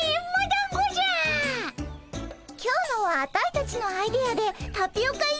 今日のはアタイたちのアイデアでタピオカ入りだよ。